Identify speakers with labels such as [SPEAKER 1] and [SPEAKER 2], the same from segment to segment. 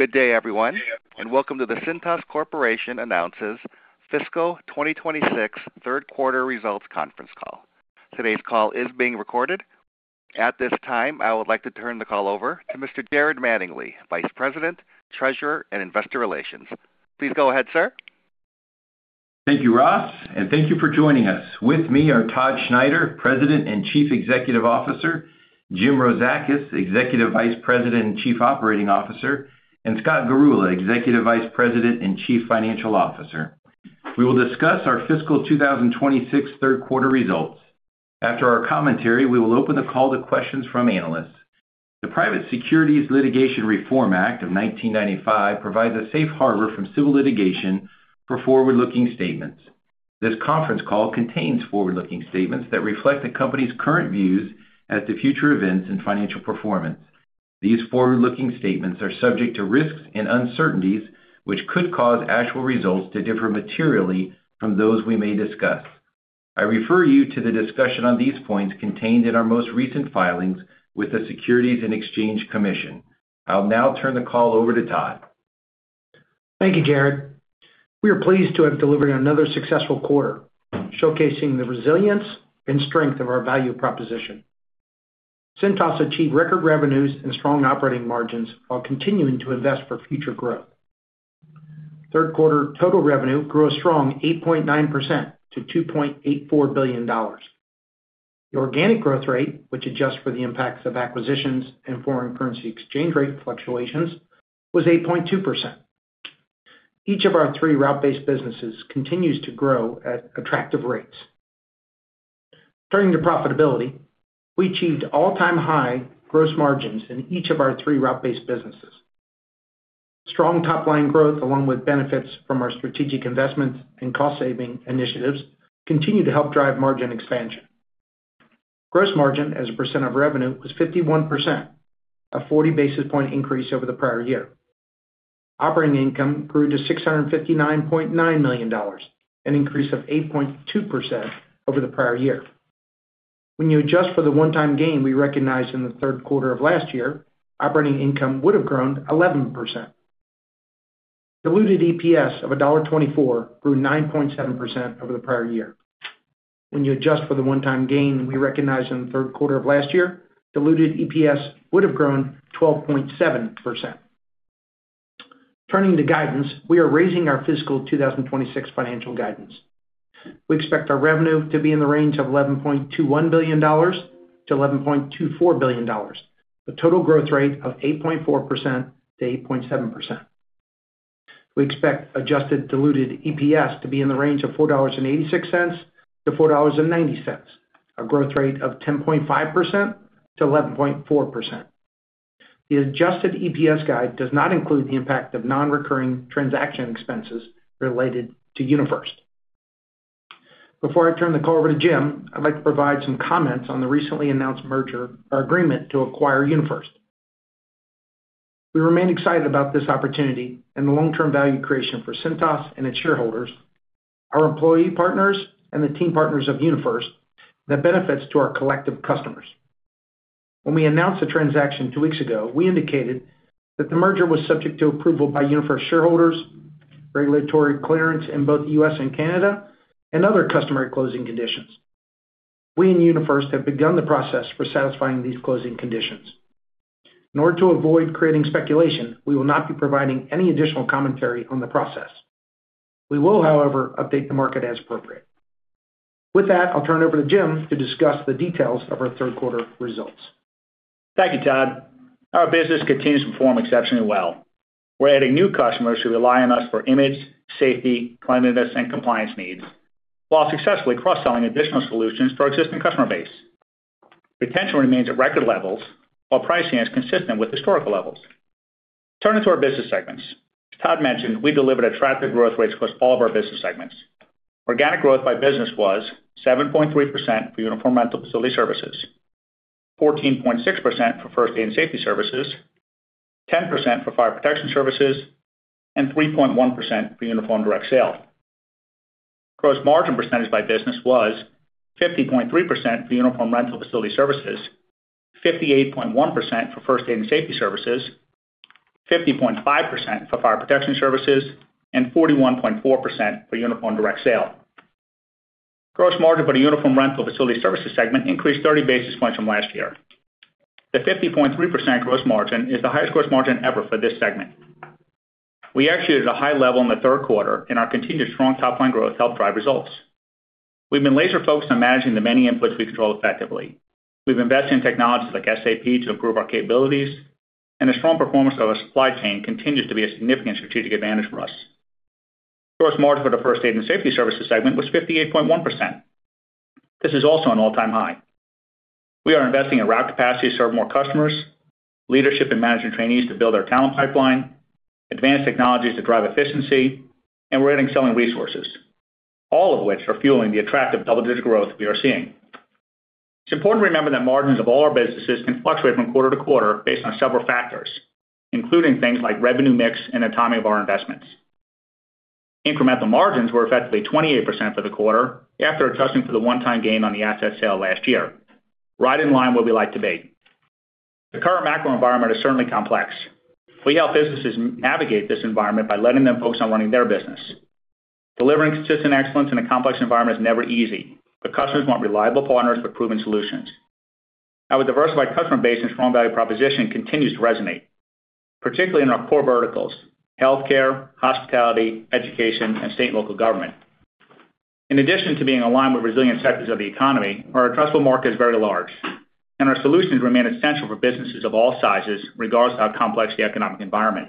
[SPEAKER 1] Good day, everyone, and welcome to the Cintas Corporation announces fiscal 2026 third quarter results conference call. Today's call is being recorded. At this time, I would like to turn the call over to Mr. Jared Mattingley, Vice President, Treasurer & Investor Relations. Please go ahead, sir.
[SPEAKER 2] Thank you, Ross, and thank you for joining us. With me are Todd Schneider, President and Chief Executive Officer, Jim Rozakis, Executive Vice President and Chief Operating Officer, and Scott Garula, Executive Vice President and Chief Financial Officer. We will discuss our fiscal 2026 third quarter results. After our commentary, we will open the call to questions from analysts. The Private Securities Litigation Reform Act of 1995 provides a safe harbor from civil litigation for forward-looking statements. This conference call contains forward-looking statements that reflect the company's current views as to future events and financial performance. These forward-looking statements are subject to risks and uncertainties, which could cause actual results to differ materially from those we may discuss. I refer you to the discussion on these points contained in our most recent filings with the Securities and Exchange Commission. I'll now turn the call over to Todd.
[SPEAKER 3] Thank you, Jared. We are pleased to have delivered another successful quarter, showcasing the resilience and strength of our value proposition. Cintas achieved record revenues and strong operating margins while continuing to invest for future growth. Third quarter total revenue grew a strong 8.9% to $2.84 billion. The organic growth rate, which adjusts for the impacts of acquisitions and foreign currency exchange rate fluctuations, was 8.2%. Each of our three route-based businesses continues to grow at attractive rates. Turning to profitability, we achieved all-time high gross margins in each of our three route-based businesses. Strong top-line growth, along with benefits from our strategic investments and cost-saving initiatives, continue to help drive margin expansion. Gross margin as a percent of revenue was 51%, a 40 basis point increase over the prior year. Operating income grew to $659.9 million, an increase of 8.2% over the prior year. When you adjust for the one-time gain we recognized in the third quarter of last year, operating income would have grown 11%. Diluted EPS of $1.24 grew 9.7% over the prior year. When you adjust for the one-time gain we recognized in the third quarter of last year, diluted EPS would have grown 12.7%. Turning to guidance, we are raising our fiscal 2026 financial guidance. We expect our revenue to be in the range of $11.21 billion-$11.24 billion, a total growth rate of 8.4%-8.7%. We expect adjusted diluted EPS to be in the range of $4.86-$4.90, a growth rate of 10.5%-11.4%. The adjusted EPS guide does not include the impact of non-recurring transaction expenses related to UniFirst. Before I turn the call over to Jim, I'd like to provide some comments on the recently announced merger or agreement to acquire UniFirst. We remain excited about this opportunity and the long-term value creation for Cintas and its shareholders, our employee partners, and the team partners of UniFirst, the benefits to our collective customers. When we announced the transaction two weeks ago, we indicated that the merger was subject to approval by UniFirst shareholders, regulatory clearance in both the U.S. and Canada, and other customary closing conditions. We and UniFirst have begun the process for satisfying these closing conditions. In order to avoid creating speculation, we will not be providing any additional commentary on the process. We will, however, update the market as appropriate. With that, I'll turn it over to Jim to discuss the details of our third quarter results.
[SPEAKER 4] Thank you, Todd. Our business continues to perform exceptionally well. We're adding new customers who rely on us for image, safety, cleanliness, and compliance needs, while successfully cross-selling additional solutions to our existing customer base. Retention remains at record levels, while pricing is consistent with historical levels. Turning to our business segments. As Todd mentioned, we delivered attractive growth rates across all of our business segments. Organic growth by business was 7.3% for Uniform Rental Facility Services, 14.6% for First Aid and Safety Services, 10% for Fire Protection Services, and 3.1% for Uniform Direct Sale. Gross margin percentage by business was 50.3% for Uniform Rental Facility Services, 58.1% for First Aid and Safety Services, 50.5% for Fire Protection Services, and 41.4% for Uniform Direct Sale. Gross margin for the Uniform Rental Facility Services segment increased 30 basis points from last year. The 50.3% gross margin is the highest gross margin ever for this segment. We executed a high level in the third quarter, and our continued strong top-line growth helped drive results. We've been laser-focused on managing the many inputs we control effectively. We've invested in technologies like SAP to improve our capabilities, and the strong performance of our supply chain continues to be a significant strategic advantage for us. Gross margin for the First Aid and Safety Services segment was 58.1%. This is also an all-time high. We are investing in route capacity to serve more customers, leadership and management trainees to build our talent pipeline, advanced technologies to drive efficiency, and we're adding selling resources, all of which are fueling the attractive double-digit growth we are seeing. It's important to remember that margins of all our businesses can fluctuate from quarter to quarter based on several factors, including things like revenue mix and the timing of our investments. Incremental margins were effectively 28% for the quarter after adjusting for the one-time gain on the asset sale last year. Right in line where we like to be. The current macro environment is certainly complex. We help businesses navigate this environment by letting them focus on running their business. Delivering consistent excellence in a complex environment is never easy, but customers want reliable partners with proven solutions. Now, a diversified customer base and strong value proposition continues to resonate, particularly in our core verticals, healthcare, hospitality, education, and state and local government. In addition to being aligned with resilient sectors of the economy, our addressable market is very large, and our solutions remain essential for businesses of all sizes, regardless of how complex the economic environment.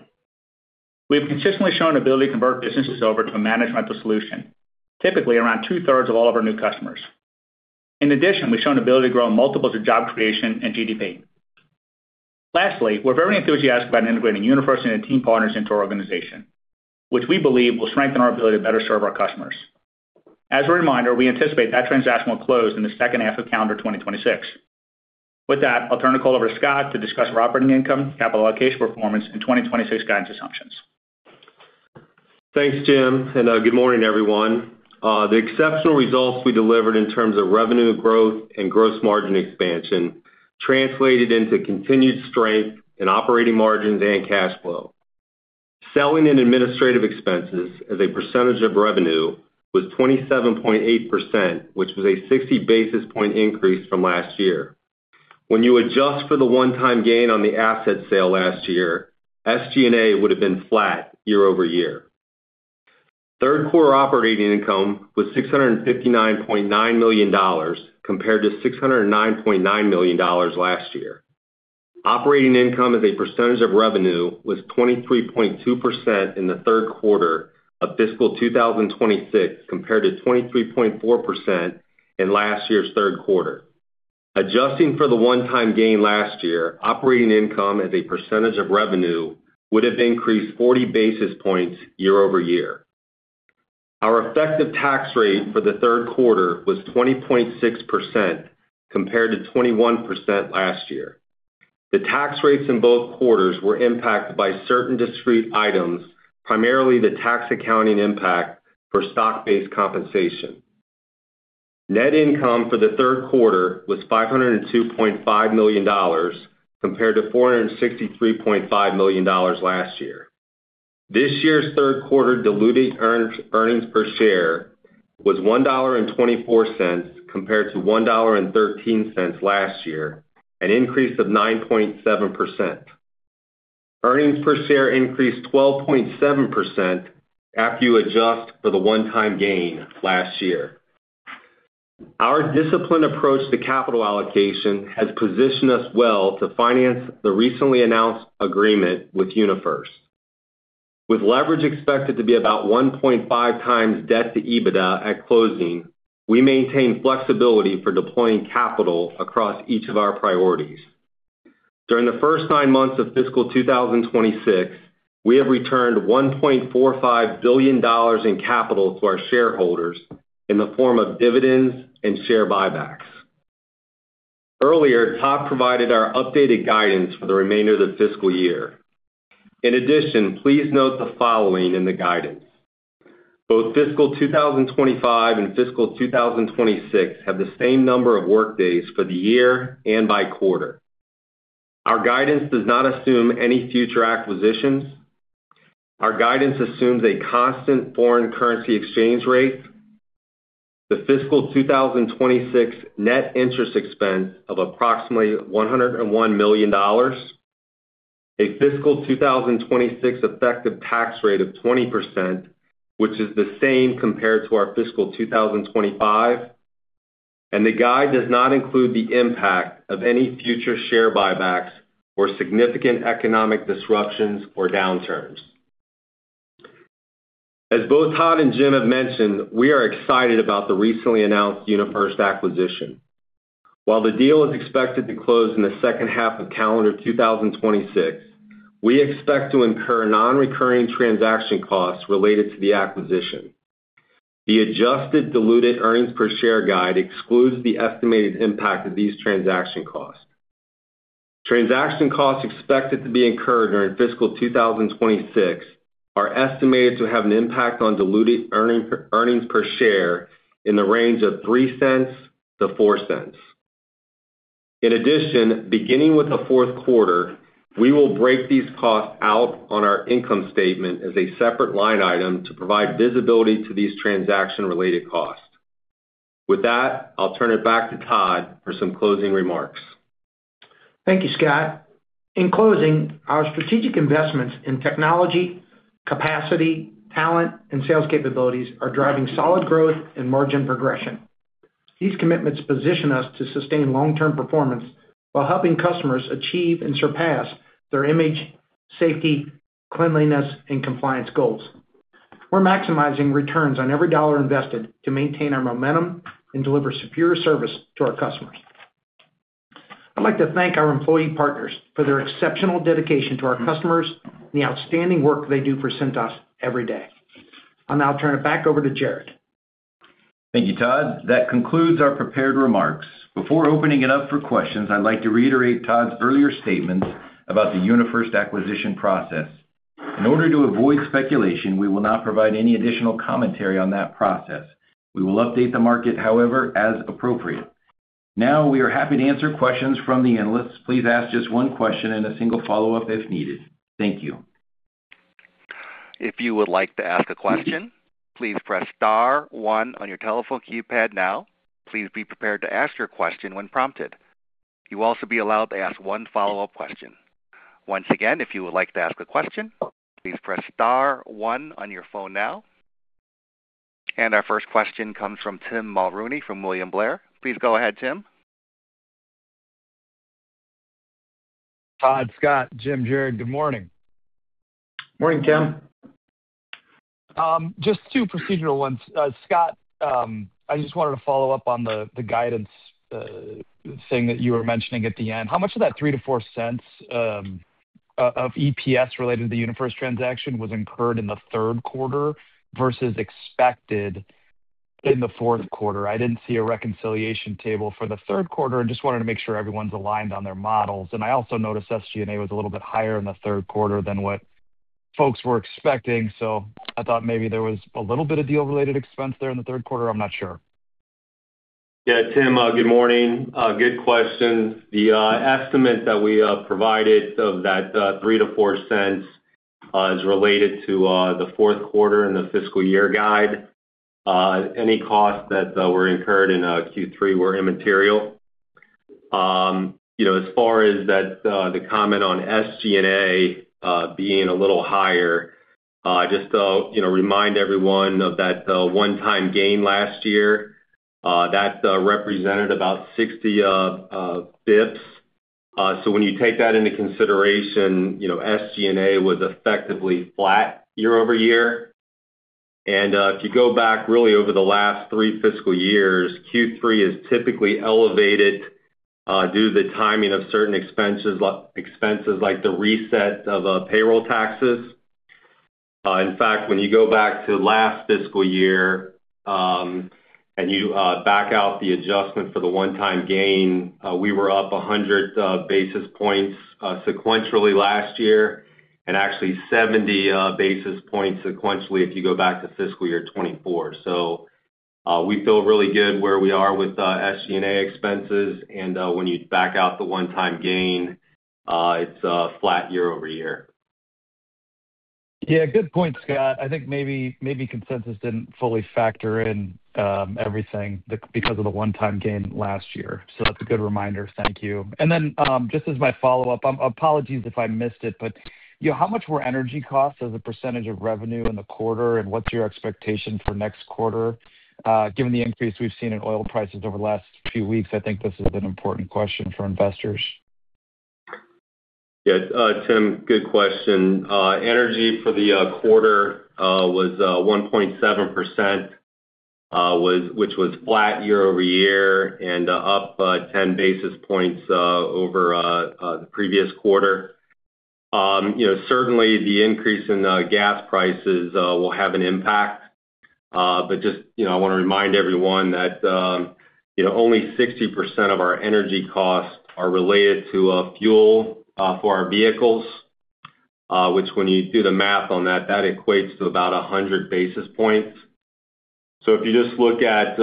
[SPEAKER 4] We have consistently shown ability to convert businesses over to a management solution, typically around 2/3 of all of our new customers. In addition, we've shown ability to grow in multiples of job creation and GDP. Lastly, we're very enthusiastic about integrating UniFirst and team partners into our organization, which we believe will strengthen our ability to better serve our customers. As a reminder, we anticipate that transaction will close in the second half of calendar 2026. With that, I'll turn the call over to Scott to discuss our operating income, capital allocation performance, and 2026 guidance assumptions.
[SPEAKER 5] Thanks, Jim, and good morning, everyone. The exceptional results we delivered in terms of revenue growth and gross margin expansion translated into continued strength in operating margins and cash flow. Selling and administrative expenses as a percentage of revenue was 27.8%, which was a 60 basis points increase from last year. When you adjust for the one-time gain on the asset sale last year, SG&A would have been flat year-over-year. Third quarter operating income was $659.9 million compared to $609.9 million last year. Operating income as a percentage of revenue was 23.2% in the third quarter of fiscal 2026 compared to 23.4% in last year's third quarter. Adjusting for the one-time gain last year, operating income as a percentage of revenue would have increased 40 basis points year-over-year. Our effective tax rate for the third quarter was 20.6% compared to 21% last year. The tax rates in both quarters were impacted by certain discrete items, primarily the tax accounting impact for stock-based compensation. Net income for the third quarter was $502.5 million compared to $463.5 million last year. This year's third quarter diluted earnings per share was $1.24 compared to $1.13 last year, an increase of 9.7%. Earnings per share increased 12.7% after you adjust for the one-time gain last year. Our disciplined approach to capital allocation has positioned us well to finance the recently announced agreement with UniFirst. With leverage expected to be about 1.5x debt to EBITDA at closing, we maintain flexibility for deploying capital across each of our priorities. During the first nine months of fiscal 2026, we have returned $1.45 billion in capital to our shareholders in the form of dividends and share buybacks. Earlier, Todd provided our updated guidance for the remainder of the fiscal year. In addition, please note the following in the guidance. Both fiscal 2025 and fiscal 2026 have the same number of workdays for the year and by quarter. Our guidance does not assume any future acquisitions. Our guidance assumes a constant foreign currency exchange rate, the fiscal 2026 net interest expense of approximately $101 million, a fiscal 2026 effective tax rate of 20%, which is the same compared to our fiscal 2025, and the guide does not include the impact of any future share buybacks or significant economic disruptions or downturns. As both Todd and Jim have mentioned, we are excited about the recently announced UniFirst acquisition. While the deal is expected to close in the second half of calendar 2026, we expect to incur non-recurring transaction costs related to the acquisition. The adjusted diluted earnings per share guide excludes the estimated impact of these transaction costs. Transaction costs expected to be incurred during fiscal 2026 are estimated to have an impact on diluted earnings per share in the range of $0.03-$0.04. Beginning with the fourth quarter, we will break these costs out on our income statement as a separate line item to provide visibility to these transaction-related costs. With that, I'll turn it back to Todd for some closing remarks.
[SPEAKER 3] Thank you, Scott. In closing, our strategic investments in technology, capacity, talent, and sales capabilities are driving solid growth and margin progression. These commitments position us to sustain long-term performance while helping customers achieve and surpass their image, safety, cleanliness, and compliance goals. We're maximizing returns on every dollar invested to maintain our momentum and deliver superior service to our customers. I'd like to thank our employee partners for their exceptional dedication to our customers and the outstanding work they do for Cintas every day. I'll now turn it back over to Jared.
[SPEAKER 2] Thank you, Todd. That concludes our prepared remarks. Before opening it up for questions, I'd like to reiterate Todd's earlier statements about the UniFirst acquisition process. In order to avoid speculation, we will not provide any additional commentary on that process. We will update the market, however, as appropriate. Now, we are happy to answer questions from the analysts. Please ask just one question and a single follow-up if needed. Thank you.
[SPEAKER 1] If you would like to ask a question, please press star one on your telephone keypad now. Please be prepared to ask your question when prompted. You'll also be allowed to ask one follow up question. Once again, if you would like to ask a question, please press star one on your phone now. Our first question comes from Tim Mulrooney from William Blair. Please go ahead, Tim.
[SPEAKER 6] Todd, Scott, Jim, Jared, good morning.
[SPEAKER 5] Morning, Tim.
[SPEAKER 6] Just two procedural ones. Scott, I just wanted to follow up on the guidance thing that you were mentioning at the end. How much of that $0.03-$00.4 of EPS related to the UniFirst transaction was incurred in the third quarter versus expected in the fourth quarter? I didn't see a reconciliation table for the third quarter. I just wanted to make sure everyone's aligned on their models. I also noticed SG&A was a little bit higher in the third quarter than what folks were expecting, so I thought maybe there was a little bit of deal-related expense there in the third quarter. I'm not sure.
[SPEAKER 5] Yeah. Tim, good morning. Good question. The estimate that we provided of that $0.03-$0.04 Is related to the fourth quarter and the fiscal year guide. Any costs that were incurred in Q3 were immaterial. You know, as far as that the comment on SG&A being a little higher, just to you know, remind everyone of that one-time gain last year, that represented about 60 basis points. So when you take that into consideration, you know, SG&A was effectively flat year-over-year. If you go back really over the last three fiscal years, Q3 is typically elevated due to the timing of certain expenses like the reset of payroll taxes. In fact, when you go back to last fiscal year, and you back out the adjustment for the one-time gain, we were up 100 basis points sequentially last year, and actually 70 basis points sequentially if you go back to fiscal year 2024. We feel really good where we are with SG&A expenses. When you back out the one-time gain, it's flat year-over-year.
[SPEAKER 6] Yeah, good point, Scott. I think maybe consensus didn't fully factor in everything because of the one-time gain last year. That's a good reminder. Thank you. Then, just as my follow-up, apologies if I missed it, but you know, how much were energy costs as a percentage of revenue in the quarter, and what's your expectation for next quarter, given the increase we've seen in oil prices over the last few weeks? I think this is an important question for investors.
[SPEAKER 5] Yes. Tim, good question. Energy for the quarter was 1.7%, which was flat year-over-year and up 10 basis points over the previous quarter. You know, certainly the increase in gas prices will have an impact. But just, you know, I wanna remind everyone that you know, only 60% of our energy costs are related to fuel for our vehicles, which when you do the math on that equates to about 100 basis points. If you just look at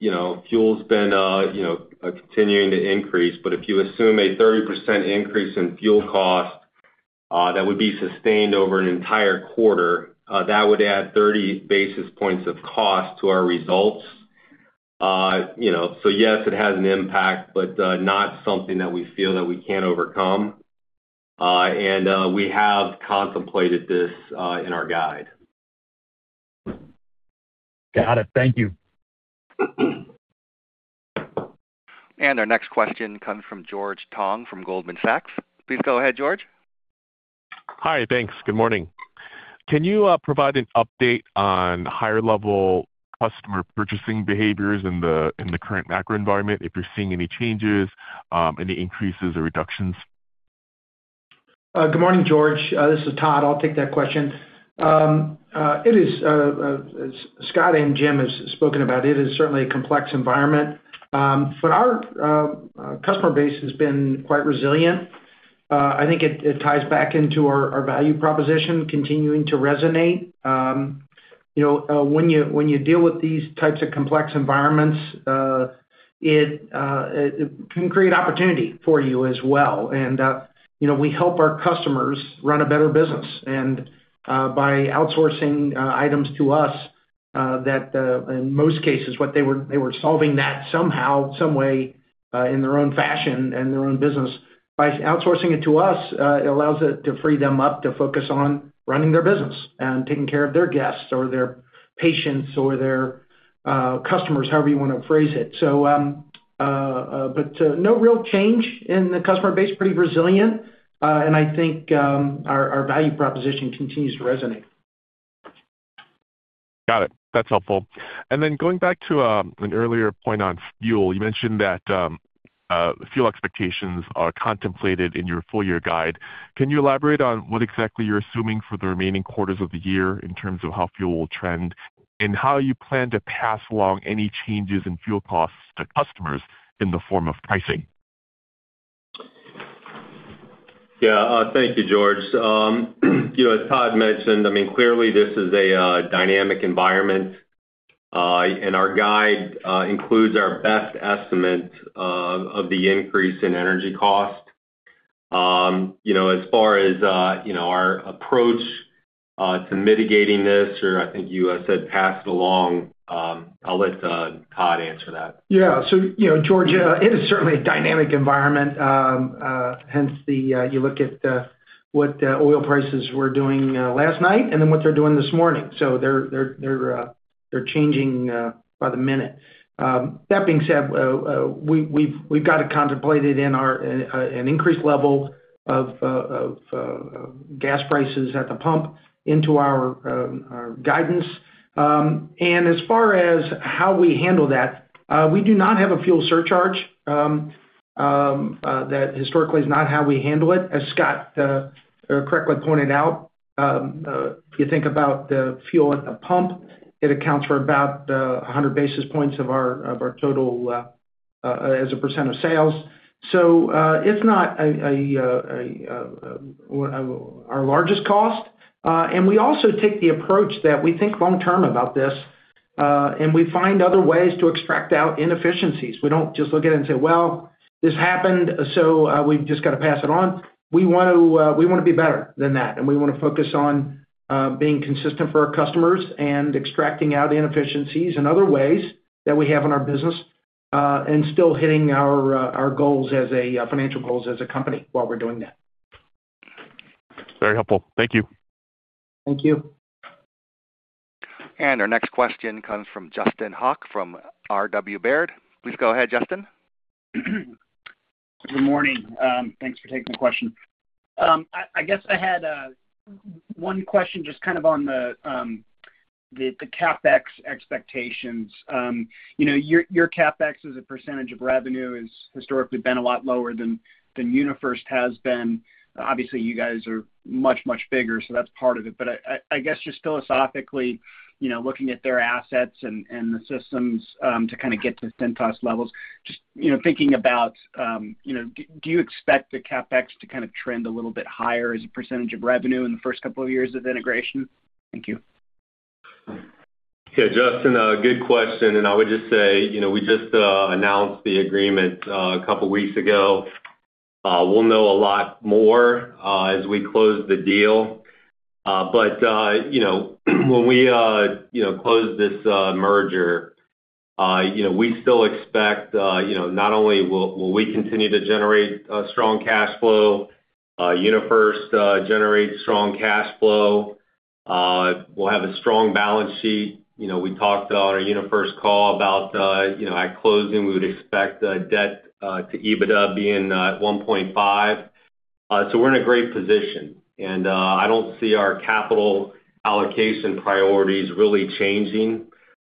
[SPEAKER 5] you know, fuel's been you know, continuing to increase, but if you assume a 30% increase in fuel cost that would be sustained over an entire quarter, that would add 30 basis points of cost to our results. You know, yes, it has an impact, but not something that we feel that we can't overcome. We have contemplated this in our guide.
[SPEAKER 6] Got it. Thank you.
[SPEAKER 1] Our next question comes from George Tong from Goldman Sachs. Please go ahead, George.
[SPEAKER 7] Hi, thanks. Good morning. Can you provide an update on higher level customer purchasing behaviors in the current macro environment? If you're seeing any changes, any increases or reductions?
[SPEAKER 3] Good morning, George. This is Todd. I'll take that question. It is Scott and Jim has spoken about it. It is certainly a complex environment. Our customer base has been quite resilient. I think it ties back into our value proposition continuing to resonate. You know, when you deal with these types of complex environments, it can create opportunity for you as well. You know, we help our customers run a better business. By outsourcing items to us, in most cases, they were solving that somehow, some way, in their own fashion and their own business. By outsourcing it to us, it allows it to free them up to focus on running their business and taking care of their guests or their patients or their customers, however you wanna phrase it. No real change in the customer base. Pretty resilient. I think our value proposition continues to resonate.
[SPEAKER 7] Got it. That's helpful. Going back to an earlier point on fuel, you mentioned that fuel expectations are contemplated in your full year guide. Can you elaborate on what exactly you're assuming for the remaining quarters of the year in terms of how fuel will trend and how you plan to pass along any changes in fuel costs to customers in the form of pricing?
[SPEAKER 5] Yeah, thank you, George. You know, as Todd mentioned, I mean, clearly this is a dynamic environment. Our guide includes our best estimate of the increase in energy cost. You know, as far as, you know, our approach to mitigating this, or I think you said pass along, I'll let Todd answer that.
[SPEAKER 3] Yeah. You know, George, it is certainly a dynamic environment. Hence the, you look at what oil prices were doing last night and then what they're doing this morning. They're changing by the minute. That being said, we've got it contemplated in our an increased level of gas prices at the pump into our guidance. As far as how we handle that, we do not have a fuel surcharge. That historically is not how we handle it. As Scott correctly pointed out, if you think about the fuel at the pump, it accounts for about 100 basis points of our total as a percent of sales. It's not our largest cost. We also take the approach that we think long-term about this, and we find other ways to extract out inefficiencies. We don't just look at it and say, "Well, this happened, we've just got to pass it on." We want to, we wanna be better than that, and we wanna focus on being consistent for our customers and extracting out inefficiencies in other ways that we have in our business, and still hitting our financial goals as a company while we're doing that.
[SPEAKER 7] Very helpful. Thank you.
[SPEAKER 3] Thank you.
[SPEAKER 1] Our next question comes from Justin Hauke from RW Baird. Please go ahead, Justin.
[SPEAKER 8] Good morning. Thanks for taking the question. I guess I had one question just kind of on the CapEx expectations. You know, your CapEx as a percentage of revenue has historically been a lot lower than UniFirst has been. Obviously, you guys are much bigger, so that's part of it. I guess just philosophically, you know, looking at their assets and the systems to kinda get to Cintas levels, just, you know, thinking about, you know, do you expect the CapEx to kind of trend a little bit higher as a percentage of revenue in the first couple of years of integration? Thank you.
[SPEAKER 5] Yeah, Justin, a good question. I would just say, you know, we just announced the agreement a couple weeks ago. We'll know a lot more as we close the deal. But you know, when we you know close this merger, you know, we still expect you know, not only will we continue to generate strong cash flow, UniFirst generates strong cash flow. We'll have a strong balance sheet. You know, we talked on our UniFirst call about you know, at closing, we would expect debt to EBITDA being 1.5x. So we're in a great position, and I don't see our capital allocation priorities really changing.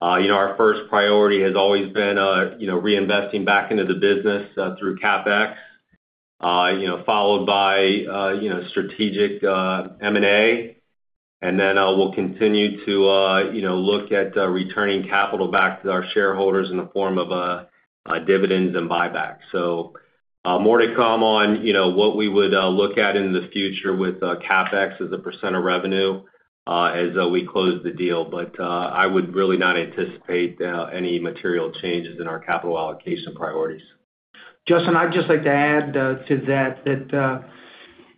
[SPEAKER 5] You know, our first priority has always been, you know, reinvesting back into the business through CapEx, you know, followed by, you know, strategic M&A. We'll continue to, you know, look at returning capital back to our shareholders in the form of dividends and buybacks. More to come on, you know, what we would look at in the future with CapEx as a percent of revenue as we close the deal. I would really not anticipate any material changes in our capital allocation priorities.
[SPEAKER 3] Justin, I'd just like to add to that,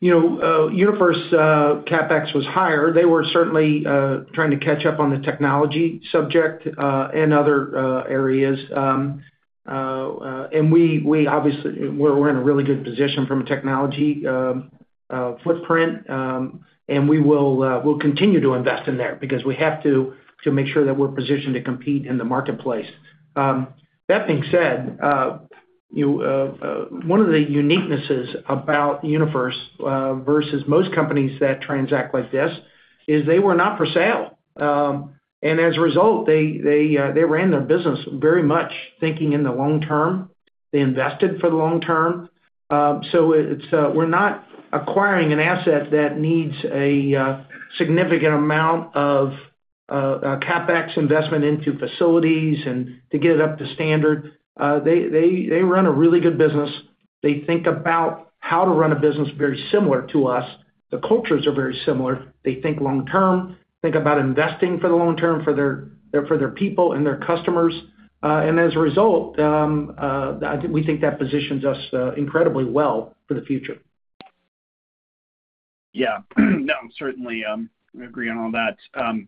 [SPEAKER 3] you know, UniFirst's CapEx was higher. They were certainly trying to catch up on the technology subject and other areas. We're in a really good position from a technology footprint. We will continue to invest in there because we have to make sure that we're positioned to compete in the marketplace. That being said, you know, one of the uniquenesses about UniFirst versus most companies that transact like this is they were not for sale. As a result, they ran their business very much thinking in the long term. They invested for the long term. It's we're not acquiring an asset that needs a significant amount of a CapEx investment into facilities and to get it up to standard. They run a really good business. They think about how to run a business very similar to us. The cultures are very similar. They think long-term, think about investing for the long term for their people and their customers. As a result, we think that positions us incredibly well for the future.
[SPEAKER 8] Yeah. No, certainly, I agree on all that.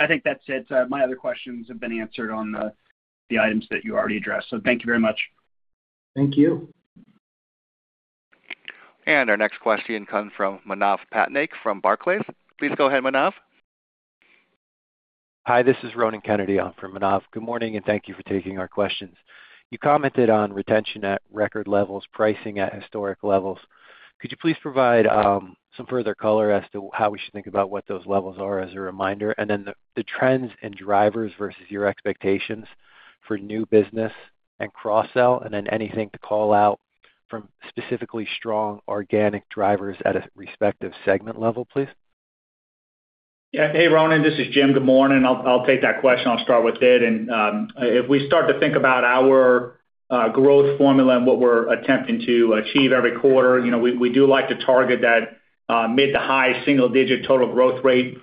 [SPEAKER 8] I think that's it. My other questions have been answered on the items that you already addressed. Thank you very much.
[SPEAKER 3] Thank you.
[SPEAKER 1] Our next question comes from Manav Patnaik from Barclays. Please go ahead, Manav.
[SPEAKER 9] Hi, this is Ronan Kennedy in for Manav. Good morning, and thank you for taking our questions. You commented on retention at record levels, pricing at historic levels. Could you please provide some further color as to how we should think about what those levels are as a reminder? The trends and drivers versus your expectations for new business and cross-sell, and then anything to call out from specifically strong organic drivers at a respective segment level, please.
[SPEAKER 4] Yeah. Hey, Ronan, this is Jim. Good morning. I'll take that question. I'll start with it. If we start to think about our growth formula and what we're attempting to achieve every quarter, you know, we do like to target that mid- to high-single-digit total growth rate.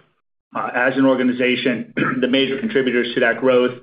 [SPEAKER 4] As an organization, the major contributors to that growth,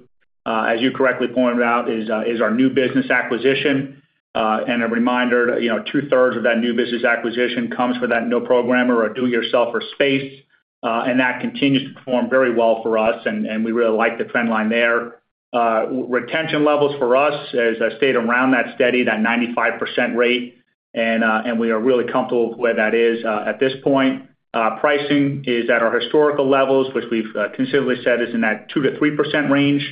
[SPEAKER 4] as you correctly pointed out, is our new business acquisition. And a reminder, you know, 2/3 of that new business acquisition comes with that no programmer or do-it-yourself or space, and that continues to perform very well for us, and we really like the trend line there. Retention levels for us has stayed around that steady, that 95% rate, and we are really comfortable where that is, at this point. Pricing is at our historical levels, which we've consistently said is in that 2%-3% range.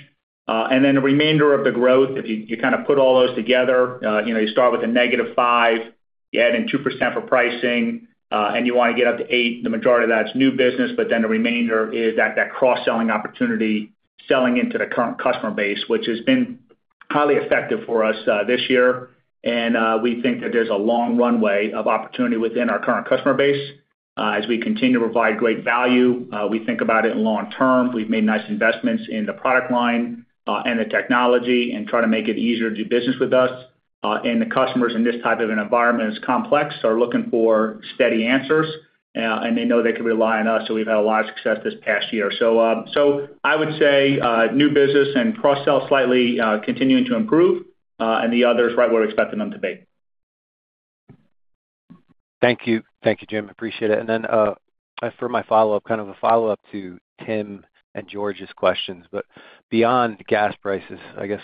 [SPEAKER 4] Then the remainder of the growth, if you kind of put all those together, you know, you start with a -5%, you add in 2% for pricing, and you want to get up to 8%. The majority of that's new business, but then the remainder is that cross-selling opportunity, selling into the current customer base, which has been highly effective for us this year. We think that there's a long runway of opportunity within our current customer base, as we continue to provide great value. We think about it in long term. We've made nice investments in the product line, and the technology and try to make it easier to do business with us. The customers in this type of environment are looking for steady answers, and they know they can rely on us. We've had a lot of success this past year. I would say new business and cross-sell slightly continuing to improve, and the others right where we're expecting them to be.
[SPEAKER 9] Thank you. Thank you, Jim. Appreciate it. For my follow-up, kind of a follow-up to Tim and George's questions, beyond gas prices, I guess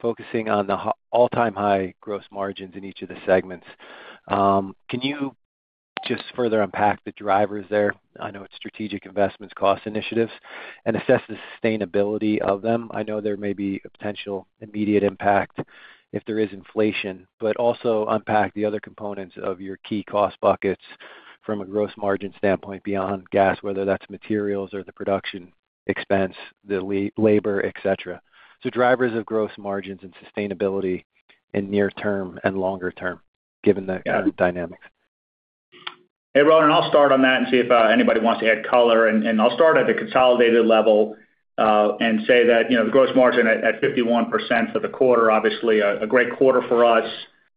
[SPEAKER 9] focusing on the all-time high gross margins in each of the segments, can you just further unpack the drivers there? I know it's strategic investments, cost initiatives, and assess the sustainability of them. I know there may be a potential immediate impact if there is inflation, but also unpack the other components of your key cost buckets from a gross margin standpoint beyond gas, whether that's materials or the production expense, the labor, et cetera. Drivers of gross margins and sustainability in near term and longer term, given the current dynamics.
[SPEAKER 4] Hey, Ronan, I'll start on that and see if anybody wants to add color. I'll start at the consolidated level and say that, you know, the gross margin at 51% for the quarter, obviously a great quarter for us.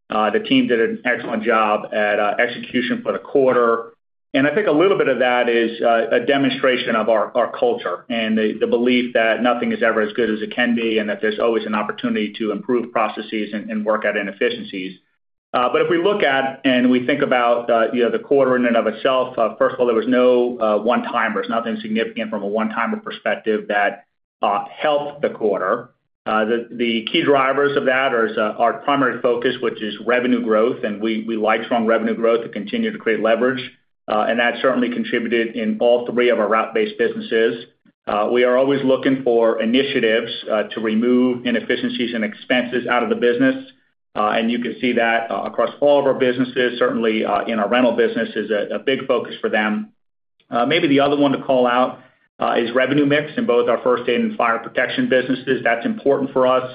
[SPEAKER 4] The team did an excellent job at execution for the quarter. I think a little bit of that is a demonstration of our culture and the belief that nothing is ever as good as it can be, and that there's always an opportunity to improve processes and work at inefficiencies. If we look at and we think about, you know, the quarter in and of itself, first of all, there was no one-timers, nothing significant from a one-timer perspective that helped the quarter. The key drivers of that is our primary focus, which is revenue growth. We like strong revenue growth to continue to create leverage. That certainly contributed in all three of our route-based businesses. We are always looking for initiatives to remove inefficiencies and expenses out of the business. You can see that across all of our businesses. Certainly, in our Rental business is a big focus for them. Maybe the other one to call out is revenue mix in both our First Aid and Fire Protection businesses. That's important for us.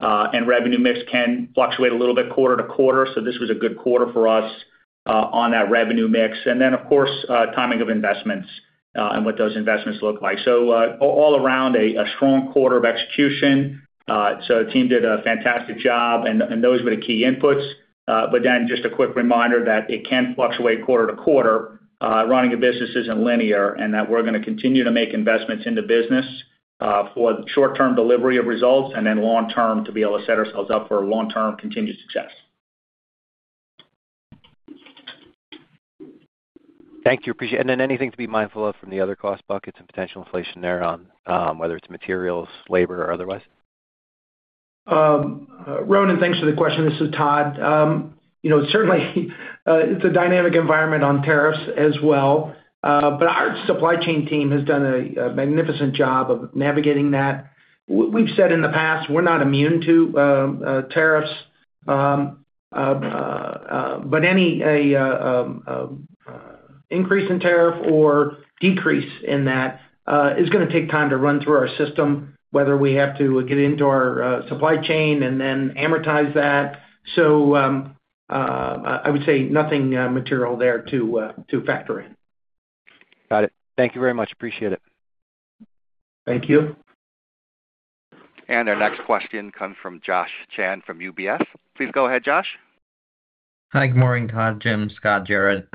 [SPEAKER 4] Revenue mix can fluctuate a little bit quarter to quarter. This was a good quarter for us on that revenue mix. Then of course, timing of investments and what those investments look like. All around a strong quarter of execution. The team did a fantastic job and those were the key inputs. Just a quick reminder that it can fluctuate quarter to quarter. Running a business isn't linear, and that we're gonna continue to make investments in the business for short-term delivery of results and then long term to be able to set ourselves up for long-term continued success.
[SPEAKER 9] Thank you. Anything to be mindful of from the other cost buckets and potential inflation there on, whether it's materials, labor or otherwise?
[SPEAKER 3] Ronan, thanks for the question. This is Todd. You know, certainly it's a dynamic environment on tariffs as well. Our supply chain team has done a magnificent job of navigating that. We've said in the past we're not immune to tariffs. Any increase in tariff or decrease in that is gonna take time to run through our system, whether we have to get into our supply chain and then amortize that. I would say nothing material there to factor in.
[SPEAKER 9] Got it. Thank you very much. Appreciate it.
[SPEAKER 3] Thank you.
[SPEAKER 1] Our next question comes from Josh Chan from UBS. Please go ahead, Josh.
[SPEAKER 10] Hi, good morning, Todd, Jim, Scott, Jared.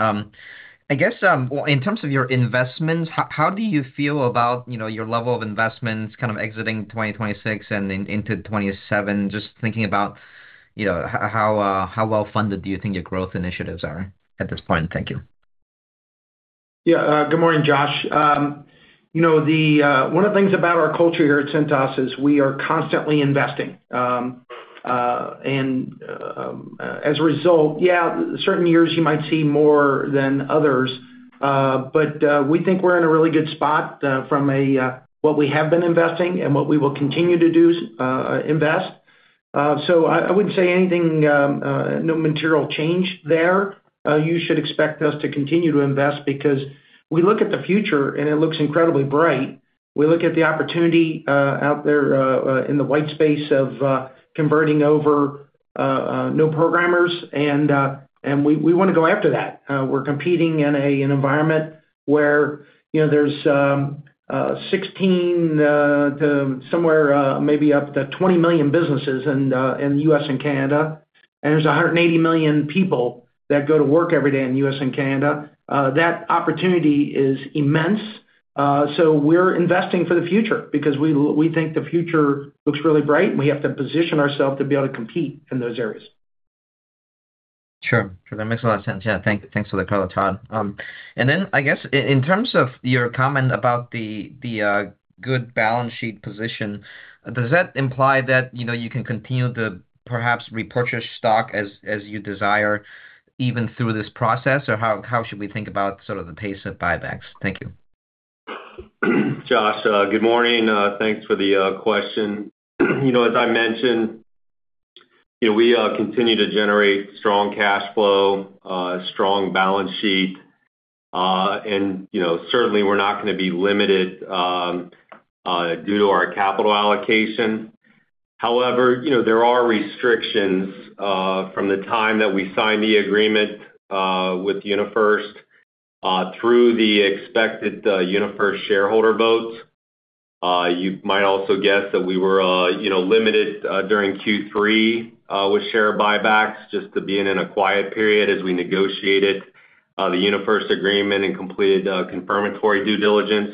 [SPEAKER 10] In terms of your investments, how do you feel about, you know, your level of investments kind of exiting 2026 and into 2027? Just thinking about, you know, how well funded do you think your growth initiatives are at this point? Thank you.
[SPEAKER 3] Yeah, good morning, Josh. You know, one of the things about our culture here at Cintas is we are constantly investing. As a result, yeah, certain years you might see more than others. We think we're in a really good spot from a what we have been investing and what we will continue to do, invest. I wouldn't say anything, no material change there. You should expect us to continue to invest because we look at the future and it looks incredibly bright. We look at the opportunity out there in the white space of converting over new programs and we wanna go after that. We're competing in an environment where, you know, there's 16 to somewhere maybe up to 20 million businesses in the U.S. and Canada, and there's 180 million people that go to work every day in the U.S. and Canada. That opportunity is immense. We're investing for the future because we think the future looks really bright, and we have to position ourselves to be able to compete in those areas.
[SPEAKER 10] Sure. That makes a lot of sense. Yeah. Thanks for the color, Todd. I guess in terms of your comment about the good balance sheet position, does that imply that you can continue to perhaps repurchase stock as you desire even through this process? Or how should we think about sort of the pace of buybacks? Thank you.
[SPEAKER 5] Josh, good morning, thanks for the question. You know, as I mentioned, you know, we continue to generate strong cash flow, strong balance sheet, and, you know, certainly we're not gonna be limited due to our capital allocation. However, you know, there are restrictions from the time that we sign the agreement with UniFirst through the expected UniFirst shareholder votes. You might also guess that we were, you know, limited during Q3 with share buybacks just to being in a quiet period as we negotiated the UniFirst agreement and completed confirmatory due diligence.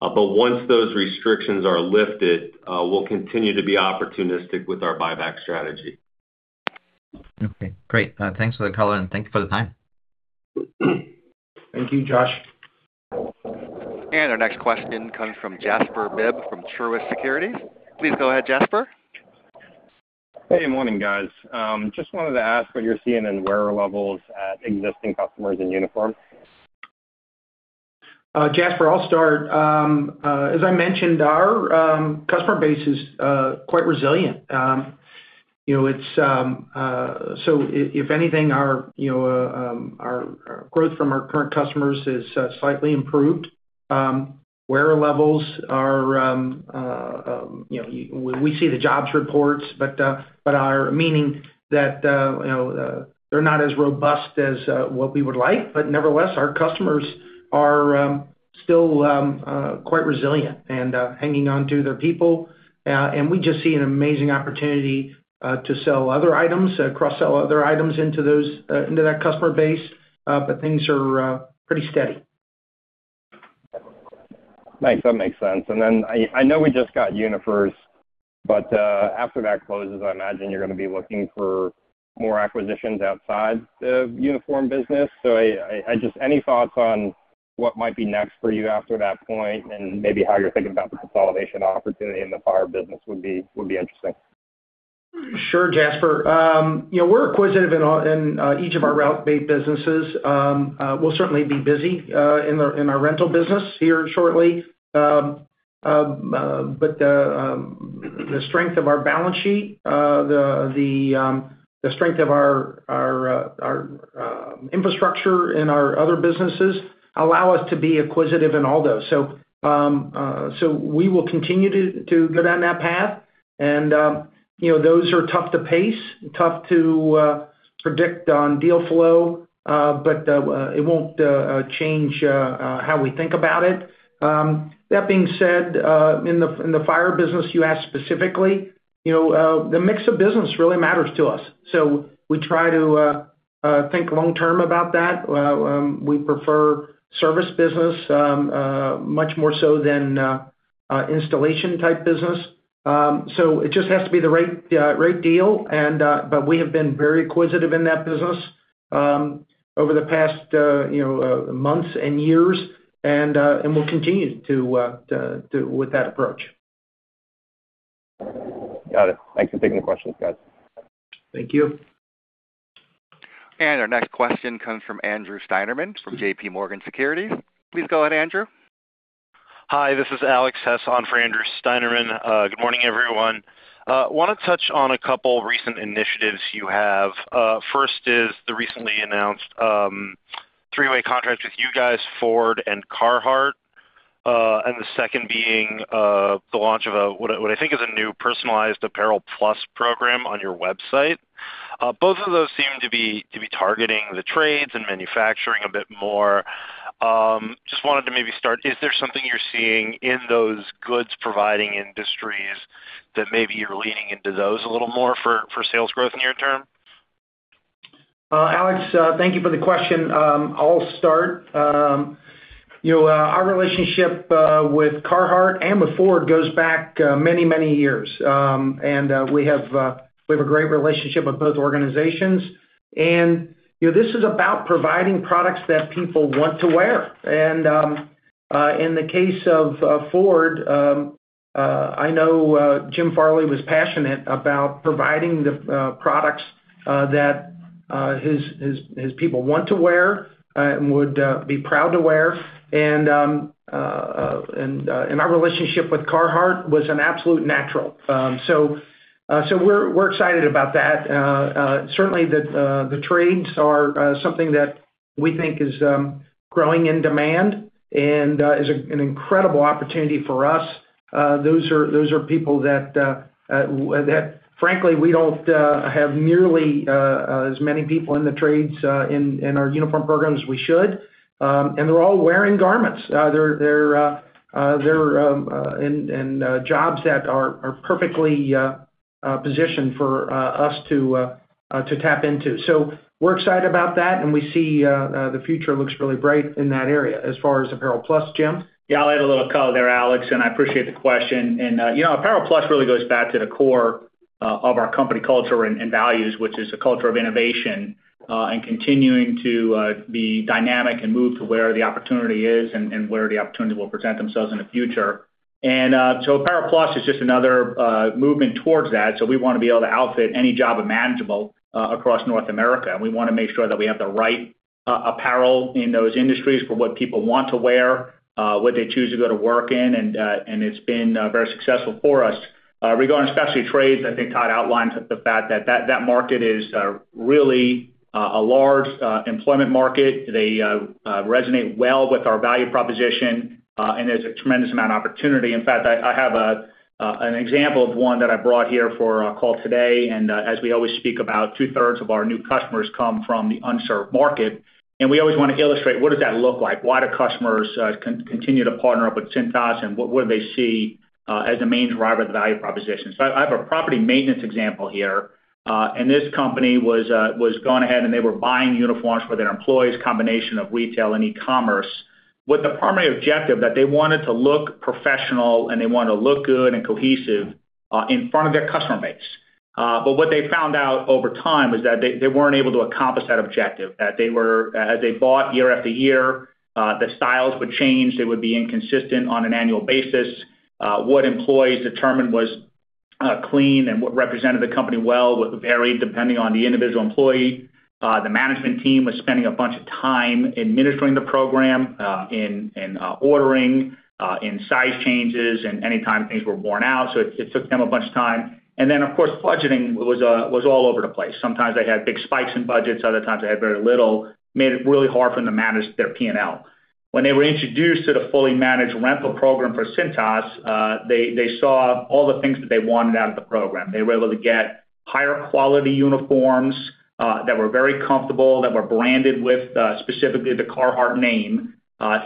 [SPEAKER 5] Once those restrictions are lifted, we'll continue to be opportunistic with our buyback strategy.
[SPEAKER 10] Okay, great. Thanks for the color, and thanks for the time.
[SPEAKER 5] Thank you, Josh.
[SPEAKER 1] Our next question comes from Jasper Bibb from Truist Securities. Please go ahead, Jasper.
[SPEAKER 11] Hey, morning, guys. Just wanted to ask what you're seeing in wearer levels at existing customers in Uniform?
[SPEAKER 3] Jasper, I'll start. As I mentioned, our customer base is quite resilient. You know, it's if anything our you know growth from our current customers is slightly improved. Wearer levels are, you know, we see the jobs reports, but that means that, you know, they're not as robust as what we would like, but nevertheless, our customers are still quite resilient and hanging on to their people. We just see an amazing opportunity to sell other items, cross-sell other items into those, into that customer base. Things are pretty steady.
[SPEAKER 11] Nice. That makes sense. Then I know we just got UniFirst, but after that closes, I imagine you're gonna be looking for more acquisitions outside the uniform business. Any thoughts on what might be next for you after that point and maybe how you're thinking about the consolidation opportunity in the fire business would be interesting.
[SPEAKER 3] Sure, Jasper. You know, we're acquisitive in each of our route-based businesses. We'll certainly be busy in our rental business here shortly. But the strength of our balance sheet, the strength of our infrastructure and our other businesses allow us to be acquisitive in all those. We will continue to go down that path and you know, those are tough to pace, tough to predict on deal flow, but it won't change how we think about it. That being said, in the fire business, you asked specifically, you know, the mix of business really matters to us. We try to think long term about that. We prefer service business much more so than installation type business. It just has to be the right deal and but we have been very acquisitive in that business over the past you know months and years, and we'll continue to with that approach.
[SPEAKER 11] Got it. Thanks for taking the questions, guys.
[SPEAKER 3] Thank you.
[SPEAKER 1] Our next question comes from Andrew Steinerman from JPMorgan Securities. Please go ahead, Andrew.
[SPEAKER 12] Hi, this is Alex Hess on for Andrew Steinerman. Good morning, everyone. Wanna touch on a couple recent initiatives you have. First is the recently announced three-way contract with you guys, Ford and Carhartt. The second being the launch of what I think is a new personalized Apparel+ program on your website. Both of those seem to be targeting the trades and manufacturing a bit more. Just wanted to maybe start, is there something you're seeing in those goods providing industries that maybe you're leaning into those a little more for sales growth near-term?
[SPEAKER 3] Alex, thank you for the question. I'll start. You know, our relationship with Carhartt and with Ford goes back many years. We have a great relationship with both organizations. You know, this is about providing products that people want to wear. In the case of Ford, I know Jim Farley was passionate about providing the products that his people want to wear and would be proud to wear. Our relationship with Carhartt was an absolute natural. We're excited about that. Certainly the trades are something that we think is growing in demand and is an incredible opportunity for us. Those are people that frankly we don't have nearly as many people in the trades in our uniform program as we should. They're all wearing garments. They're in jobs that are perfectly positioned for us to tap into. We're excited about that, and we see the future looks really bright in that area as far as Apparel+. Jim?
[SPEAKER 4] Yeah, I'll add a little color there, Alex, and I appreciate the question. You know, Apparel+ really goes back to the core of our company culture and values, which is a culture of innovation and continuing to be dynamic and move to where the opportunity is and where the opportunity will present themselves in the future. Apparel+ is just another movement towards that. We wanna be able to outfit any job imaginable across North America. We wanna make sure that we have the right apparel in those industries for what people want to wear, what they choose to go to work in, and it's been very successful for us. Regarding especially trades, I think Todd outlined the fact that that market is really a large employment market. They resonate well with our value proposition, and there's a tremendous amount of opportunity. In fact, I have an example of one that I brought here for our call today, and as we always speak about, 2/3 of our new customers come from the unserved market. We always wanna illustrate what does that look like? Why do customers continue to partner up with Cintas, and what would they see as a main driver of the value proposition? I have a property maintenance example here, and this company was gone ahead and they were buying uniforms for their employees, combination of retail and e-commerce, with the primary objective that they wanted to look professional and they wanted to look good and cohesive in front of their customer base. What they found out over time was that they weren't able to accomplish that objective. As they bought year after year, the styles would change. They would be inconsistent on an annual basis. What employees determined was clean and what represented the company well would vary depending on the individual employee. The management team was spending a bunch of time administering the program in ordering, in size changes, and anytime things were worn out. It took them a bunch of time. Of course, budgeting was all over the place. Sometimes they had big spikes in budgets, other times they had very little, made it really hard for them to manage their P&L. When they were introduced to the fully managed rental program for Cintas, they saw all the things that they wanted out of the program. They were able to get higher quality uniforms that were very comfortable, that were branded with specifically the Carhartt name,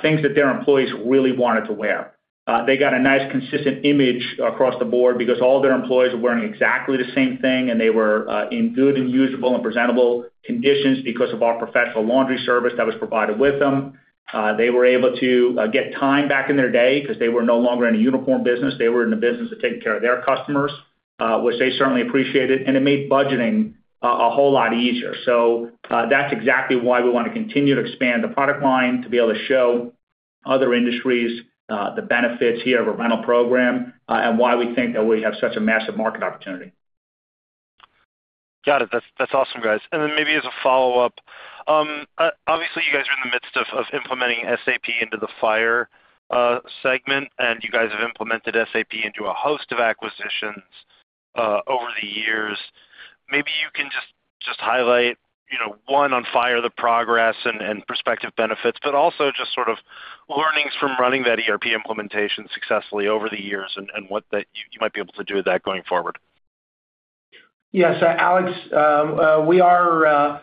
[SPEAKER 4] things that their employees really wanted to wear. They got a nice, consistent image across the board because all their employees were wearing exactly the same thing, and they were in good and usable and presentable conditions because of our professional laundry service that was provided with them. They were able to get time back in their day 'cause they were no longer in a uniform business. They were in the business of taking care of their customers, which they certainly appreciated, and it made budgeting a whole lot easier. That's exactly why we wanna continue to expand the product line, to be able to show other industries the benefits here of a rental program, and why we think that we have such a massive market opportunity.
[SPEAKER 12] Got it. That's awesome, guys. Maybe as a follow-up, obviously, you guys are in the midst of implementing SAP into the fire segment, and you guys have implemented SAP into a host of acquisitions over the years. Maybe you can just highlight, you know, on fire, the progress and prospective benefits, but also just sort of learnings from running that ERP implementation successfully over the years and what you might be able to do with that going forward.
[SPEAKER 3] Yes, Alex. We are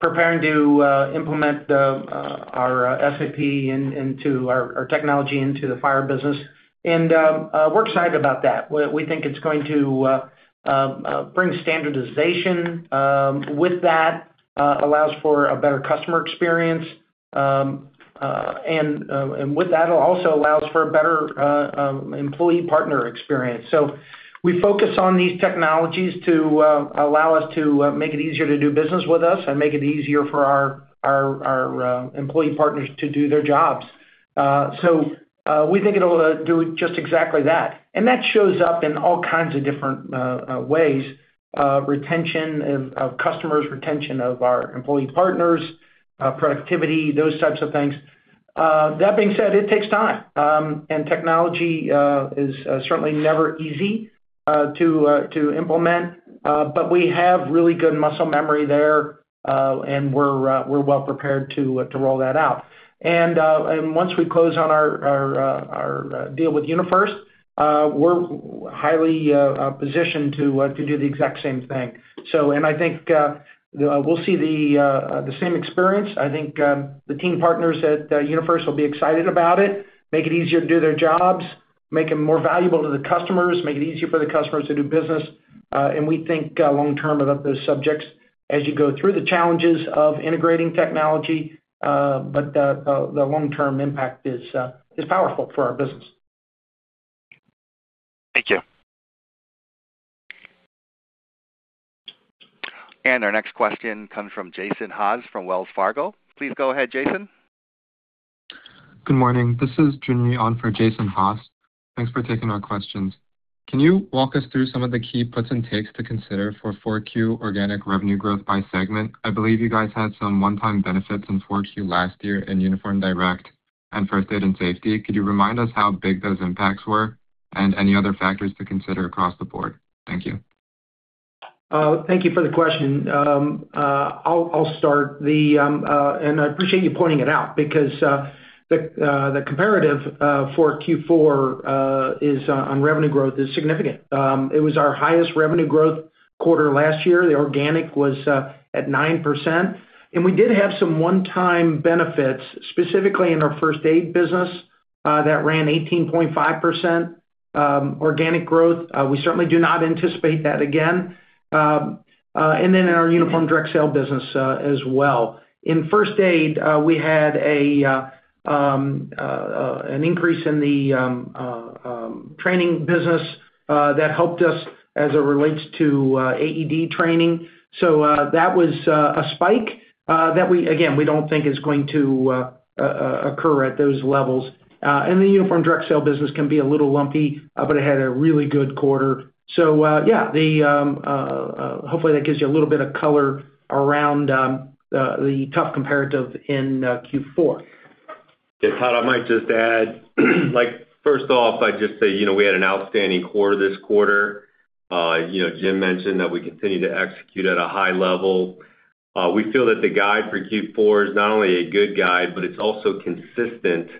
[SPEAKER 3] preparing to implement our SAP into our technology into the fire business. We're excited about that. We think it's going to bring standardization with that allows for a better customer experience. With that, it also allows for a better employee partner experience. We focus on these technologies to allow us to make it easier to do business with us and make it easier for our employee partners to do their jobs. We think it'll do just exactly that. That shows up in all kinds of different ways, retention of customers, retention of our employee partners, productivity, those types of things. That being said, it takes time. Technology is certainly never easy to implement. We have really good muscle memory there, and we're well prepared to roll that out. Once we close on our deal with UniFirst, we're highly positioned to do the exact same thing. I think we'll see the same experience. I think the team partners at UniFirst will be excited about it, make it easier to do their jobs, make them more valuable to the customers, make it easier for the customers to do business. We think long-term about those subjects as you go through the challenges of integrating technology, but the long-term impact is powerful for our business.
[SPEAKER 12] Thank you.
[SPEAKER 1] Our next question comes from Jason Haas from Wells Fargo. Please go ahead, Jason.
[SPEAKER 13] Good morning. This is Joon Lee on for Jason Haas. Thanks for taking our questions. Can you walk us through some of the key puts and takes to consider for 4Q organic revenue growth by segment? I believe you guys had some one-time benefits in 4Q last year in Uniform Direct and First Aid & Safety. Could you remind us how big those impacts were and any other factors to consider across the board? Thank you.
[SPEAKER 3] Thank you for the question. I'll start, and I appreciate you pointing it out because the comparative for Q4 is significant on revenue growth. It was our highest revenue growth quarter last year. The organic was at 9%. We did have some one-time benefits, specifically in our first aid business, that ran 18.5% organic growth. We certainly do not anticipate that again. Then in our Uniform Direct Sale business as well. In first aid, we had an increase in the training business that helped us as it relates to AED training. That was a spike that we again don't think is going to occur at those levels. The Uniform Direct Sale business can be a little lumpy, but it had a really good quarter. Yeah, hopefully that gives you a little bit of color around the tough comparative in Q4.
[SPEAKER 5] Yeah, Todd, I might just add, like, first off, I'd just say, you know, we had an outstanding quarter this quarter. You know, Jim mentioned that we continue to execute at a high level. We feel that the guide for Q4 is not only a good guide, but it's also consistent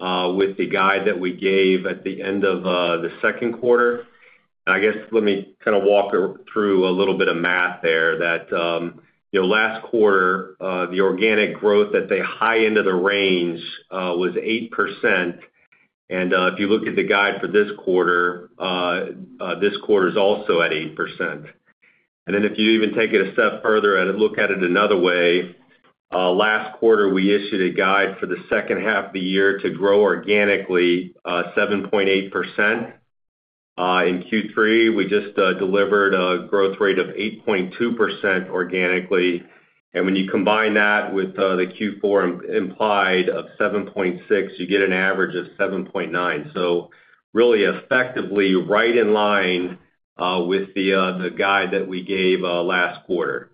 [SPEAKER 5] with the guide that we gave at the end of the second quarter. I guess let me kind of walk through a little bit of math there that you know, last quarter, the organic growth at the high end of the range was 8%. If you look at the guide for this quarter, this quarter is also at 8%. If you even take it a step further and look at it another way, last quarter, we issued a guide for the second half of the year to grow organically 7.8%. In Q3, we just delivered a growth rate of 8.2% organically. When you combine that with the Q4 implied of 7.6%, you get an average of 7.9%. Really effectively right in line with the guide that we gave last quarter.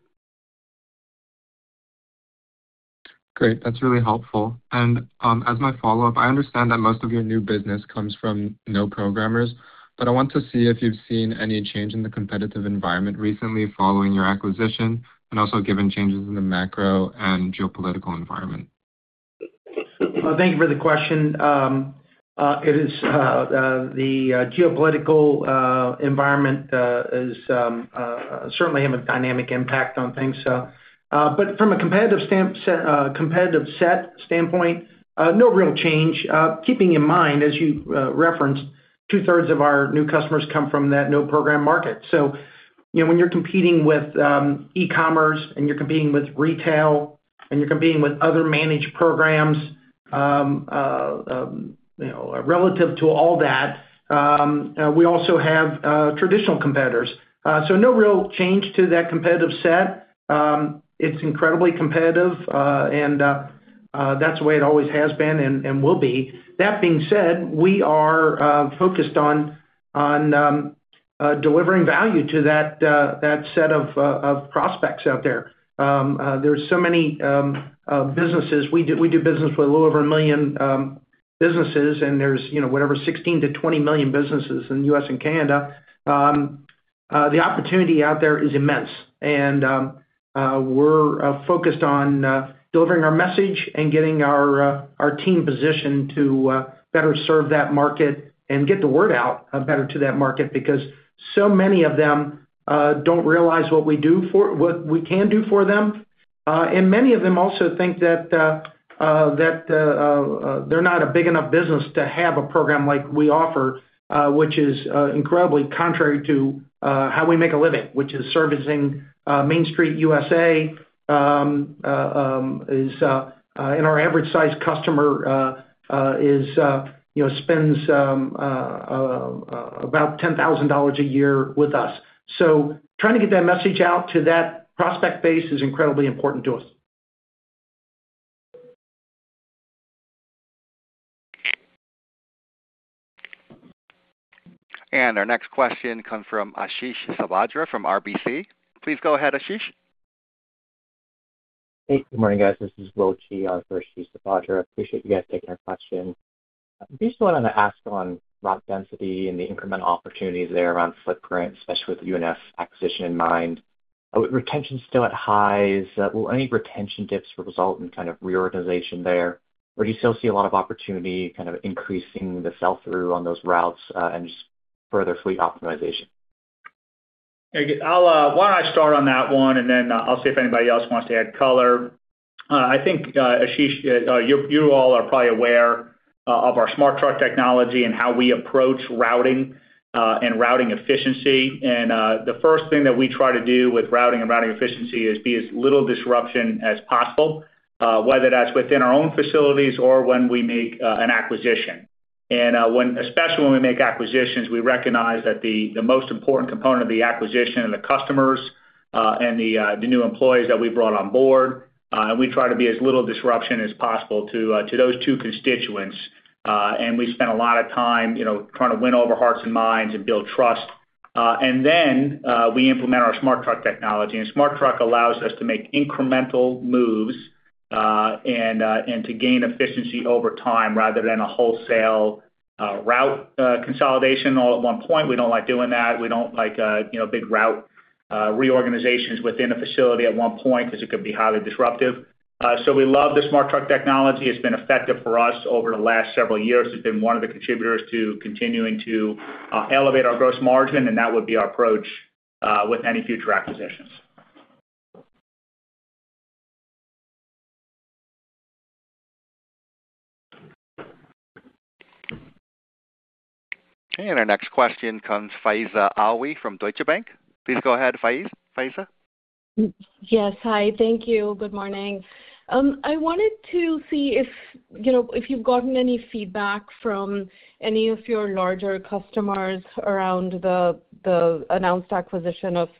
[SPEAKER 13] Great. That's really helpful. As my follow-up, I understand that most of your new business comes from no programs, but I want to see if you've seen any change in the competitive environment recently following your acquisition and also given changes in the macro and geopolitical environment?
[SPEAKER 3] Well, thank you for the question. It is the geopolitical environment is certainly have a dynamic impact on things. But from a competitive set standpoint, no real change. Keeping in mind, as you referenced, 2/3 of our new customers come from that no program market. You know, when you're competing with e-commerce and you're competing with retail and you're competing with other managed programs, you know, relative to all that, we also have traditional competitors. No real change to that competitive set. It's incredibly competitive, and that's the way it always has been and will be. That being said, we are focused on delivering value to that set of prospects out there. There's so many businesses. We do business with a little over 1 million businesses, and there's, you know, whatever, 16 million-20 million businesses in the U.S. and Canada. The opportunity out there is immense, and we're focused on delivering our message and getting our team positioned to better serve that market and get the word out better to that market because so many of them don't realize what we can do for them. Many of them also think that they're not a big enough business to have a program like we offer, which is incredibly contrary to how we make a living, which is servicing Main Street USA, and our average size customer you know spends about $10,000 a year with us. Trying to get that message out to that prospect base is incredibly important to us.
[SPEAKER 1] Our next question comes from Ashish Sabadra from RBC. Please go ahead, Ashish.
[SPEAKER 14] Hey, good morning, guys. This is Will Chi for Ashish Sabadra. Appreciate you guys taking our question. I just wanted to ask on route density and the incremental opportunities there around footprint, especially with the UniFirst acquisition in mind. Retention is still at highs. Will any retention dips result in kind of reorganization there? Or do you still see a lot of opportunity kind of increasing the sell-through on those routes, and just further fleet optimization?
[SPEAKER 4] Why don't I start on that one, and then I'll see if anybody else wants to add color. I think, Ashish, you all are probably aware of our SmartTruck technology and how we approach routing and routing efficiency. The first thing that we try to do with routing and routing efficiency is be as little disruption as possible, whether that's within our own facilities or when we make an acquisition. Especially when we make acquisitions, we recognize that the most important component of the acquisition are the customers and the new employees that we brought on board. We try to be as little disruption as possible to those two constituents. We spend a lot of time, you know, trying to win over hearts and minds and build trust. Then we implement our SmartTruck technology. SmartTruck allows us to make incremental moves and to gain efficiency over time rather than a wholesale route consolidation all at one point. We don't like doing that. We don't like you know, big route reorganizations within a facility at one point 'cause it could be highly disruptive. We love the SmartTruck technology. It's been effective for us over the last several years. It's been one of the contributors to continuing to elevate our gross margin, and that would be our approach with any future acquisitions.
[SPEAKER 1] Okay, our next question comes Faiza Alwy from Deutsche Bank. Please go ahead, Faiza.
[SPEAKER 15] Yes. Hi. Thank you. Good morning. I wanted to see if, you know, if you've gotten any feedback from any of your larger customers around the announced acquisition of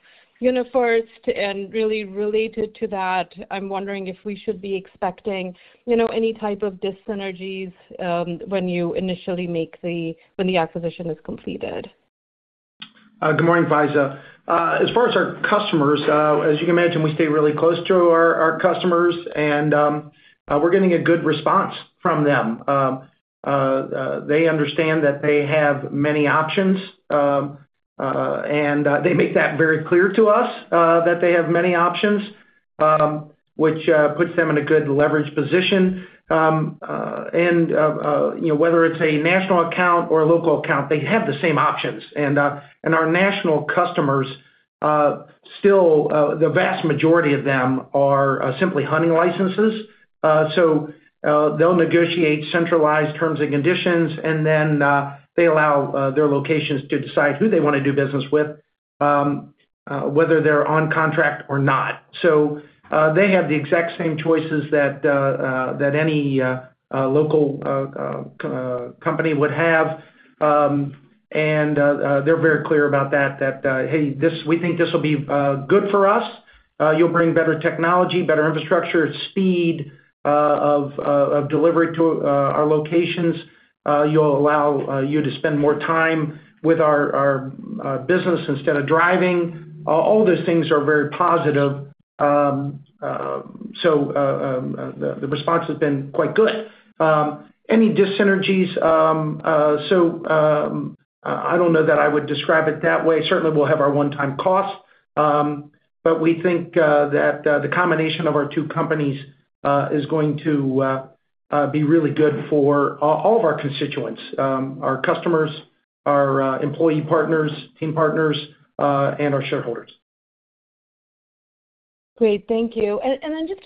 [SPEAKER 15] UniFirst. Really related to that, I'm wondering if we should be expecting, you know, any type of dis-synergies when the acquisition is completed.
[SPEAKER 3] Good morning, Faiza. As far as our customers, as you can imagine, we stay really close to our customers and we're getting a good response from them. They understand that they have many options, and they make that very clear to us, that they have many options, which puts them in a good leverage position. You know, whether it's a national account or a local account, they have the same options. Our national customers still, the vast majority of them are simply hunting licenses. So, they'll negotiate centralized terms and conditions, and then they allow their locations to decide who they wanna do business with, whether they're on contract or not. They have the exact same choices that any local company would have. They're very clear about that "Hey, this. We think this will be good for us. You'll bring better technology, better infrastructure, speed of delivery to our locations. You'll allow us to spend more time with our business instead of driving." All those things are very positive. The response has been quite good. Any dyssynergies, I don't know that I would describe it that way. Certainly we'll have our one-time costs, but we think that the combination of our two companies is going to be really good for all of our constituents, our customers, our employee partners, team partners, and our shareholders.
[SPEAKER 15] Great. Thank you. I'm curious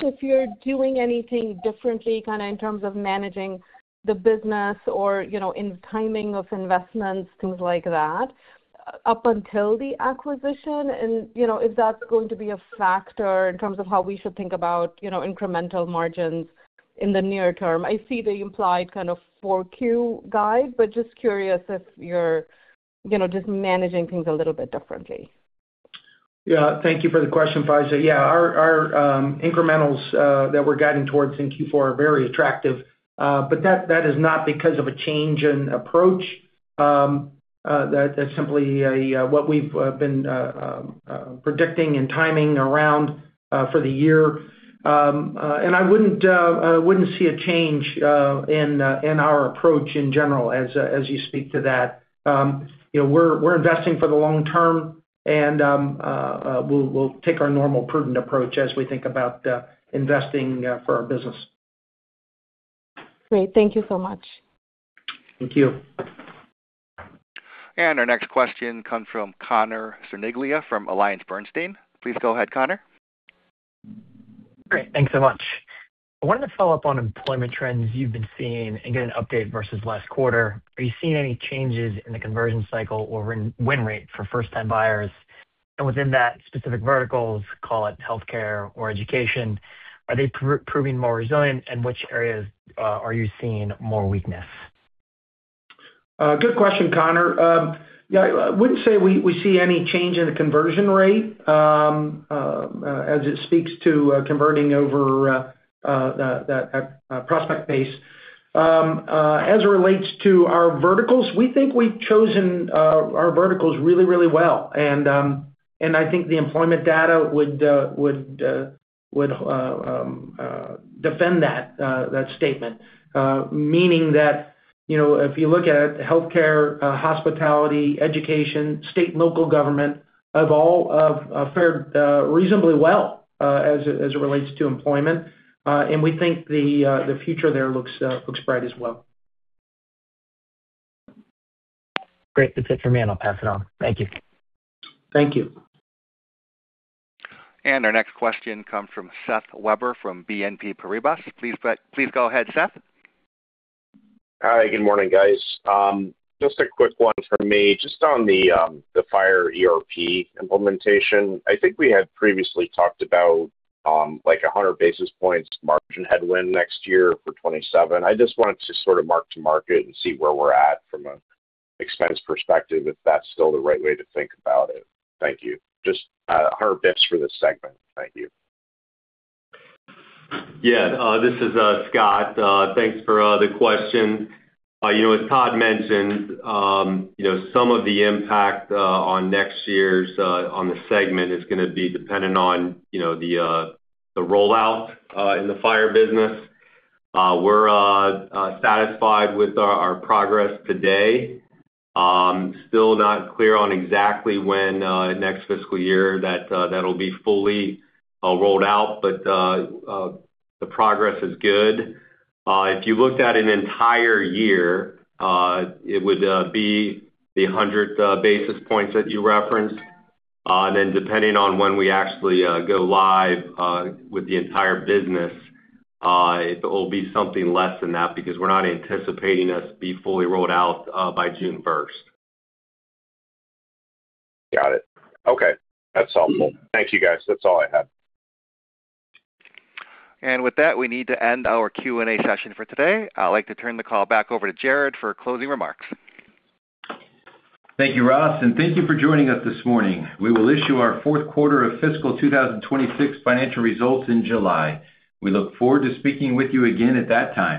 [SPEAKER 15] if you're doing anything differently kinda in terms of managing the business or, you know, in timing of investments, things like that, up until the acquisition. You know, if that's going to be a factor in terms of how we should think about, you know, incremental margins in the near term. I see the implied kind of 4Q guide, but just curious if you're, you know, just managing things a little bit differently.
[SPEAKER 3] Yeah. Thank you for the question, Faiza. Yeah, our incrementals that we're guiding towards in Q4 are very attractive, but that is not because of a change in approach. That's simply what we've been predicting and timing around for the year. I wouldn't see a change in our approach in general as you speak to that. You know, we're investing for the long term and we'll take our normal prudent approach as we think about investing for our business.
[SPEAKER 15] Great. Thank you so much.
[SPEAKER 3] Thank you.
[SPEAKER 1] Our next question comes from Connor Cerniglia from AllianceBernstein. Please go ahead, Connor.
[SPEAKER 16] Great. Thanks so much. I wanted to follow up on employment trends you've been seeing and get an update versus last quarter. Are you seeing any changes in the conversion cycle or win rate for first-time buyers? And within that, specific verticals, call it healthcare or education, are they proving more resilient? Which areas are you seeing more weakness?
[SPEAKER 3] Good question, Connor. Yeah, I wouldn't say we see any change in the conversion rate as it speaks to converting over that prospect base. As it relates to our verticals, we think we've chosen our verticals really well. I think the employment data would defend that statement. Meaning that, you know, if you look at healthcare, hospitality, education, state and local government have all fared reasonably well as it relates to employment. We think the future there looks bright as well.
[SPEAKER 16] Great. That's it for me, and I'll pass it on. Thank you.
[SPEAKER 3] Thank you.
[SPEAKER 1] Our next question comes from Seth Weber from BNP Paribas. Please go ahead, Seth.
[SPEAKER 17] Hi. Good morning, guys. Just a quick one from me just on the Fire ERP implementation. I think we had previously talked about like 100 basis points margin headwind next year for 2027. I just wanted to sort of mark to market and see where we're at from an expense perspective, if that's still the right way to think about it. Thank you. Just a hundred basis points for this segment. Thank you.
[SPEAKER 5] Yeah. This is Scott. Thanks for the question. You know, as Todd mentioned, you know, some of the impact on next year's segment is gonna be dependent on, you know, the rollout in the Fire business. We're satisfied with our progress to date. Still not clear on exactly when next fiscal year that that'll be fully rolled out, but the progress is good. If you looked at an entire year, it would be the 100 basis points that you referenced. Then depending on when we actually go live with the entire business, it will be something less than that because we're not anticipating us to be fully rolled out by June first.
[SPEAKER 17] Got it. Okay. That's helpful. Thank you, guys. That's all I had.
[SPEAKER 1] With that, we need to end our Q&A session for today. I'd like to turn the call back over to Jared for closing remarks.
[SPEAKER 2] Thank you, Ross, and thank you for joining us this morning. We will issue our fourth quarter of fiscal 2026 financial results in July. We look forward to speaking with you again at that time.